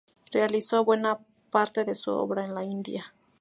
Realizó buena parte de su obra en la India.